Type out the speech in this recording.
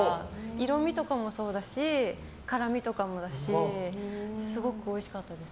色味とかもそうだし辛みとかもだしすごくおいしかったです。